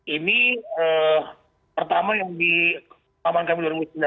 ini pertama yang di paman kami dua ribu sembilan belas